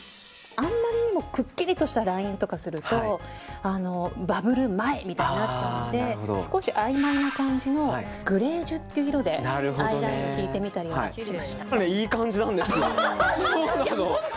あまりにもくっきりとしたラインとかするとバブル前みたいになっちゃうので少しあいまいな感じのグレージュっていう色でアイラインを引いてみたりしました。